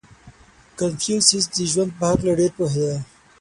• کنفوسیوس د ژوند په هکله ډېر پوهېده.